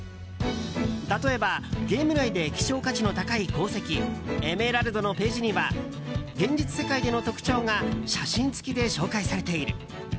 例えば、ゲーム内で希少価値の高い鉱石エメラルドのページには現実世界での特徴が写真付きで紹介されている。